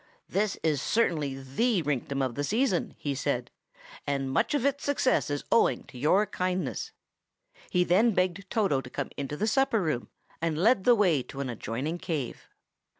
"This is certainly the rinktum of the season," he said, "and much of its success is owing to your kindness." He then begged Toto to come into the supper room, and led the way to an adjoining cave.